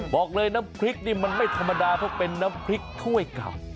บอกเลยน้ำพริกนี่มันไม่ธรรมดาเพราะเป็นน้ำพริกถ้วยเก่า